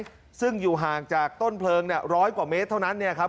ซึ่งอยู่ห่างจากต้นเพลิงเนี่ยร้อยกว่าเมตรเท่านั้นเนี่ยครับ